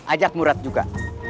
ajak murad juga